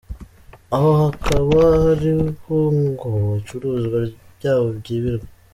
Aho hakaba ari ho ngo ibicuruzwa byabo byibirwa.